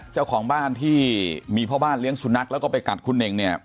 เจ้าของบ้านที่มีพ่อบ้านเลี้ยงสุนัขแล้วก็ไปกัดคุณเน่งเนี่ย